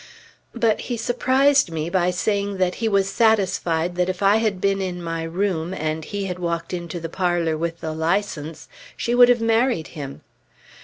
But he surprised me by saying that he was satisfied that if I had been in my room, and he had walked into the parlor with the license, she would have married him.